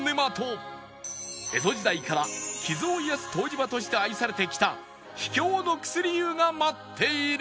江戸時代から傷を癒やす湯治場として愛されてきた秘境の薬湯が待っている！